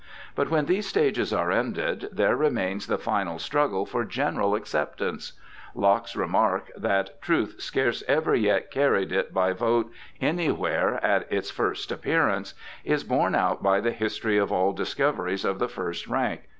But when these stages are ended, there remains the final struggle for general acceptance. Locke's remark that ' Truth scarce ever yet carried it by vote anywhere at its first appearance ' is borne out by the history of all discoveries of the first rank.